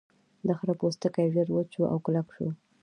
د خرۀ پوستکی ژر وچ شو او کلک شو.